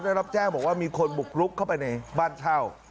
ได้รับแจ้งบอกว่ามีคนบุกรุกเข้าไปในบ้านเช่า